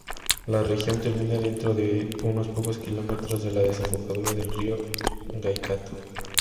La región termina dentro de unos pocos kilómetros de la desembocadura del río Waikato.